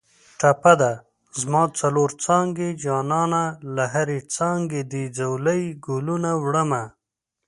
ټپه ده: زما څلور څانګې جانانه له هرې څانګې دې ځولۍ ګلونه وړمه